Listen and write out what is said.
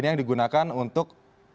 ini yang digunakan untuk